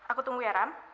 aku tunggu ya ram